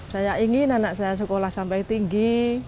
saya ingin anak saya sekolah sampai tinggi